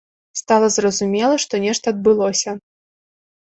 Стала зразумела, што нешта адбылося.